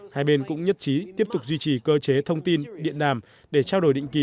hai bên cũng nhất trí tiếp tục duy trì cơ chế thông tin điện đàm để trao đổi định kỳ